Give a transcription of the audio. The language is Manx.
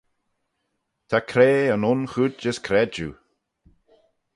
Ta crea yn un chooid as credjue.